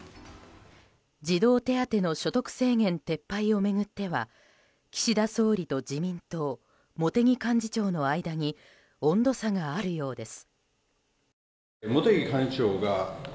児童手当の所得制限撤廃を巡っては岸田総理と自民党茂木幹事長の間に温度差があるようです。